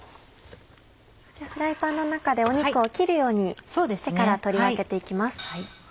フライパンの中で肉を切るようにしてから取り分けて行きます。